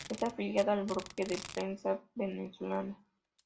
Está afiliado al Bloque de Prensa Venezolano.